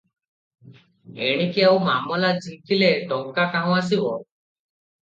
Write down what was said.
ଏଣିକି ଆଉ ମାମଲା ଝିଙ୍କିଲେ ଟଙ୍କା କାହୁଁ ଆସିବ?